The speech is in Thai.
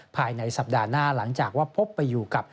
ภายในสัปดาห์หน้าหลังจากว่าพบไปอยู่กับ